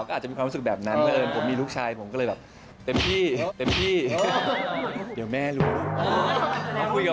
ก็จะมีปัญหาแต่ว่ามุมแม่มีนิดหนึ่งอะนะ